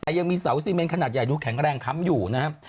แต่ยังมีเสาซีเมนขนาดใหญ่ดูแข็งแรงค้ำอยู่นะครับ